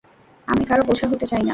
আমি কারও বোঁঝা হতে চাই না।